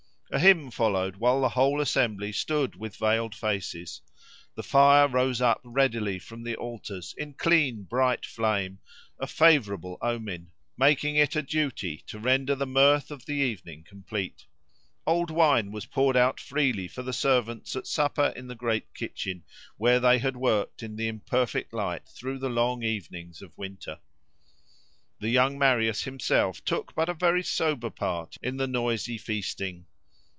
A hymn followed, while the whole assembly stood with veiled faces. The fire rose up readily from the altars, in clean, bright flame—a favourable omen, making it a duty to render the mirth of the evening complete. Old wine was poured out freely for the servants at supper in the great kitchen, where they had worked in the imperfect light through the long evenings of winter. The young Marius himself took but a very sober part in the noisy feasting.